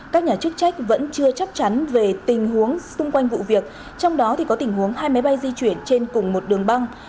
các nhà chức trách vẫn chưa chắc chắn về tình huống xung quanh vụ việc trong đó có tình huống hai máy bay di chuyển trên cùng một đường băng